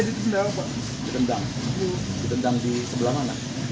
ditendang di sebelah mana